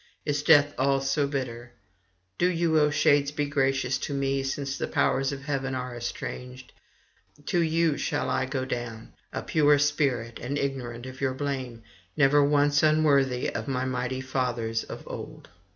Is Death all so bitter? Do you, O Shades, be gracious to me, since the powers of heaven are estranged; to you shall I go down, a pure spirit and [649 681]ignorant of your blame, never once unworthy of my mighty fathers of old.'